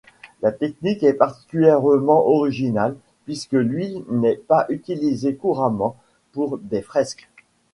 Sa technique est particulièrement originale, puisque l'huile n'est pas utilisée couramment pour des fresques.